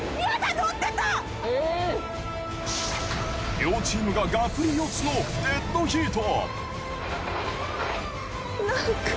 両チームががっぷり四つのデッドヒート。